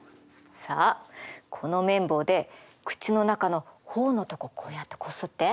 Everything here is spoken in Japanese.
さあこの綿棒で口の中の頬のとここうやってこすって。